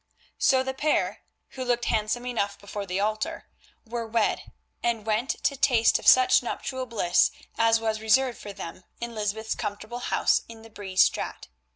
So the pair, who looked handsome enough before the altar, were wed, and went to taste of such nuptial bliss as was reserved for them in Lysbeth's comfortable house in the Bree Straat.